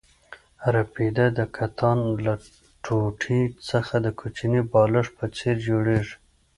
رپیده د کتان له ټوټې څخه د کوچني بالښت په څېر جوړېږي.